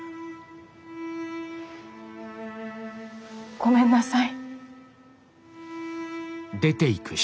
ごめんなさい。